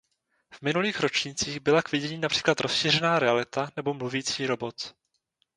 V minulých ročnících byla k vidění například rozšířená realita nebo mluvící robot.